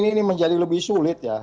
ini menjadi lebih sulit ya